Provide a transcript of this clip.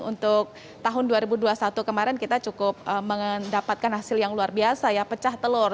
untuk tahun dua ribu dua puluh satu kemarin kita cukup mendapatkan hasil yang luar biasa ya pecah telur